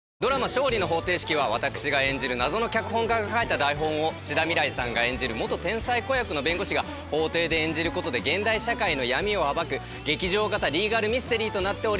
『勝利の法廷式』は私が演じる謎の脚本家が書いた台本を志田未来さんが演じる天才子役の弁護士が法廷で演じることで現代社会の闇を暴く劇場型リーガルミステリーとなっております。